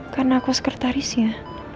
karena aku sekretarisnya